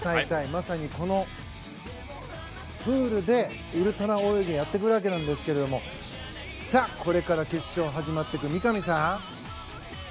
まさにこのプールでウルトラ泳いでやっていくわけなんですがさあ、これから決勝が始まっていきますが三上さん。